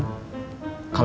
kalau ada ganjelan